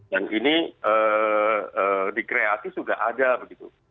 dan ini di kreatif juga ada begitu